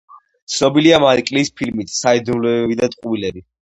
ცნობილია მაიკ ლის ფილმით „საიდუმლოებები და ტყუილები“